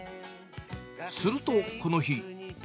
すると、この日。